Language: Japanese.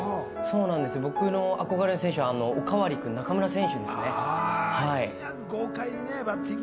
僕の憧れの選手はおかわり君、中村選手ですね。